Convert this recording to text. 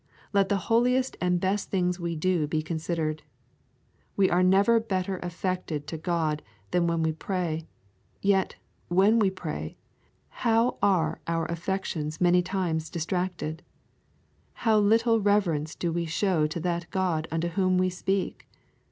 Let the holiest and best things we do be considered. We are never better affected to God than when we pray; yet, when we pray, how are our affections many times distracted! How little reverence do we show to that God unto whom we speak!